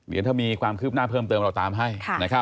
เดี๋ยวถ้ามีความคืบหน้าเพิ่มเติมเราตามให้